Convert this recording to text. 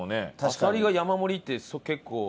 あさりが山盛りって結構。